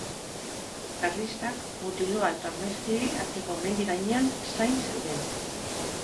Karlistak Mutiloa eta Ormaiztegi arteko mendi gainean zain zeuden.